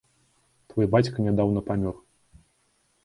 Твой бацька нядаўна памёр.